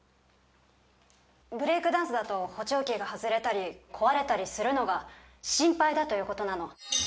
ブレイクダンスだと補聴器が外れたり壊れたりするのが心配だということなの。